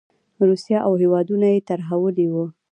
روسیه او هېوادونه یې ترهولي وو.